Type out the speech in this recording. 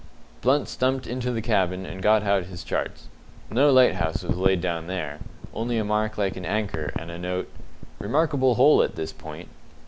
Blunt stumped into the cabin and got out his charts. No lighthouse was laid down there, only a mark like an anchor, and a note, "Remarkable Hole at this Point."